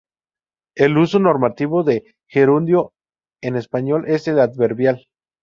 El uso normativo del gerundio en español es el adverbial.